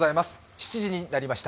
７時になりました。